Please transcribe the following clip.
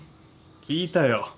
聞いたよ。